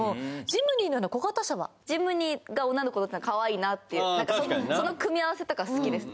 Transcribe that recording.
ジムニーが女の子だったらかわいいなっていうその組み合わせとか好きです